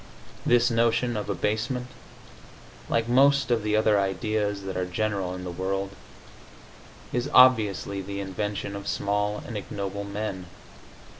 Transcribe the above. This notion of abasement, like most of the other ideas that are general in the world, is obviously the invention of small and ignoble men.